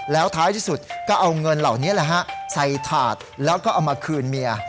แล้วท้ายที่สุดก็เอาเงินเหล่านี้แหละฮะใส่ถาดแล้วก็เอามาคืนเมีย